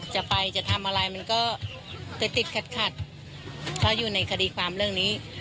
จะไปจะทำอะไรมันก็จะติดขัดขัดเพราะอยู่ในคดีความเรื่องนี้